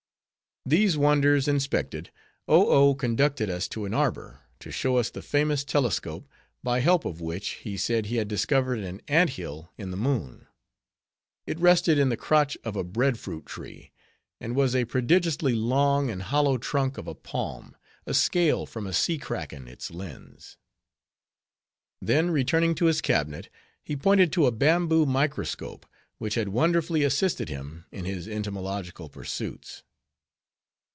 These wonders inspected, Oh Oh conducted us to an arbor, to show us the famous telescope, by help of which, he said he had discovered an ant hill in the moon. It rested in the crotch of a Bread fruit tree; and was a prodigiously long and hollow trunk of a Palm; a scale from a sea kraken its lens. Then returning to his cabinet, he pointed to a bamboo microscope, which had wonderfully assisted him in his entomological pursuits.